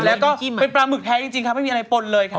แล้วก็เป็นปลาหมึกแท้จริงค่ะไม่มีอะไรปนเลยค่ะ